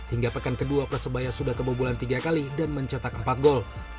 hingga pekan kedua persebaya sudah kebobolan tiga kali dan mencetak empat gol